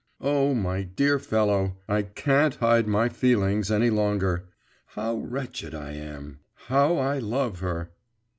… Oh my dear fellow, I can't hide my feelings any longer!… How wretched I am! How I love her!